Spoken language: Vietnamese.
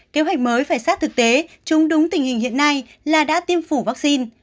kế hoạch mới phải sát thực tế chúng đúng tình hình hiện nay là đã tiêm phủ vaccine